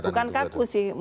bukan kaku sih